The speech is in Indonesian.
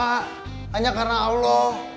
hanya karena allah